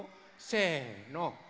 せの。